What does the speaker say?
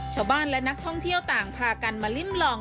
ชาวบ้านและนักท่องเที่ยวต่างพากันมาริมลอง